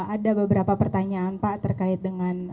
ada beberapa pertanyaan pak terkait dengan